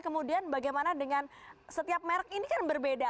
kemudian bagaimana dengan setiap merek ini kan berbeda